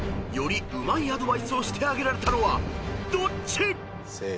［よりうまいアドバイスをしてあげられたのはどっち⁉］